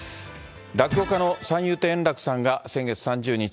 落語家の三遊亭円楽さんが先月３０日、